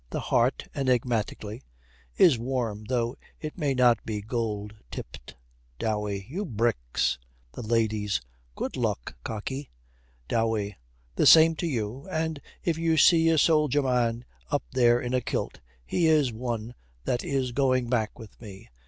'The heart,' enigmatically, 'is warm though it may not be gold tipped.' DOWEY. 'You bricks!' THE LADIES. 'Good luck, cocky.' DOWEY. 'The same to you. And if you see a sodger man up there in a kilt, he is one that is going back with me.